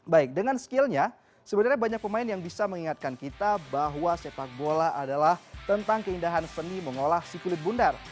baik dengan skillnya sebenarnya banyak pemain yang bisa mengingatkan kita bahwa sepak bola adalah tentang keindahan seni mengolah si kulit bundar